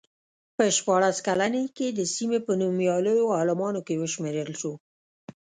په شپاړس کلنۍ کې د سیمې په نومیالیو عالمانو کې وشمېرل شو.